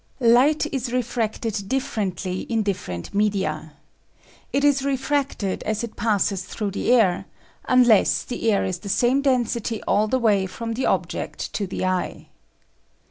Light is refracted differently in different media. It is refracted as it passes through the air unless the air is the same density all the way from the object to the eye.